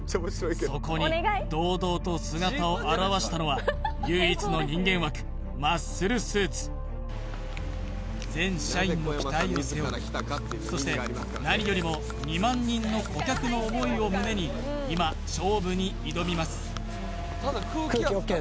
そこに堂々と姿を現したのは唯一の人間枠マッスルスーツ全社員の期待を背負いそして何よりも２万人の顧客の思いを胸に今勝負に挑みます